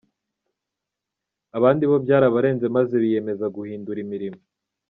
Abandi bo byarabarenze maze biyemeza guhindura imirimo.